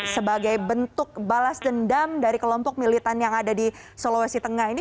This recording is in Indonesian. sebagai bentuk balas dendam dari kelompok militan yang ada di sulawesi tengah ini